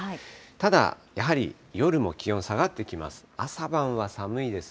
ただやはり、夜も気温下がってきます。